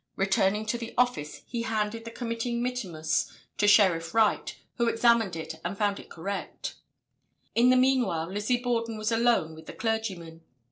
Returning to the office he handed the committing mittimus to Sheriff Wright, who examined it and found it correct. In the meanwhile Lizzie Borden was alone with the clergyman.